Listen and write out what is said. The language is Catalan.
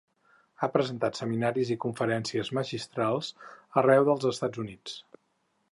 Ha presentat seminaris i conferències magistrals arreu dels Estats Units.